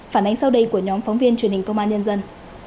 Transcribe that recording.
phản ánh sau đây của nhóm phóng viên truyền hình công an nhân dân